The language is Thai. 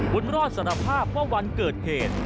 บุญรอดสารภาพว่าวันเกิดเหตุ